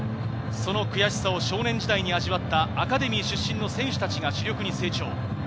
その悔しさを少年時代に味わったアカデミー出身の選手達が主力に成長。